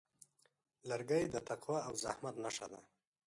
لرګی د تقوا او زحمت نښه ده.